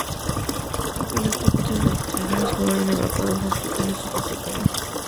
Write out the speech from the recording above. El piloto y cuatro de los pasajeros fueron evacuados a hospitales sudafricanos.